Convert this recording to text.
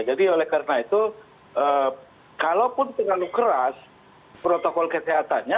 jadi oleh karena itu kalaupun terlalu keras protokol kesehatannya